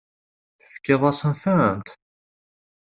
Tefkiḍ-asent-tent?